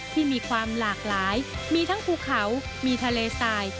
ที่มีความหลากหลายมีทั้งภูเขามีทะเลสาย